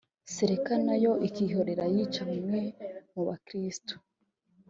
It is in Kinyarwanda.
Seleka na yo ikihorera yica bamwe mu bakirisitu